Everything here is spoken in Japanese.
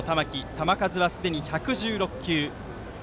球数はすでに１１６球。